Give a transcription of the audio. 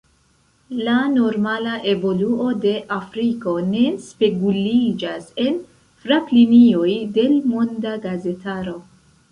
La normala evoluo de Afriko ne speguliĝas en fraplinioj de l’ monda gazetaro.